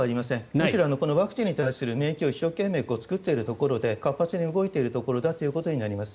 むしろこのワクチンに対する免疫を一生懸命作っているところで活発に動いているところだということになります。